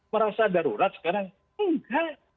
merasa darurat sekarang enggak